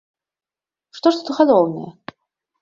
Што ж тут галоўнае?